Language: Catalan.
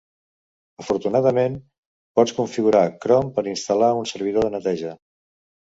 Afortunadament, pots configurar Chrome per a instal·lar un servidor de neteja.